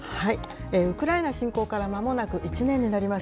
ウクライナ侵攻からまもなく１年になります。